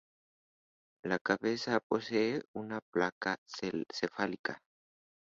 La cabeza posee una placa cefálica.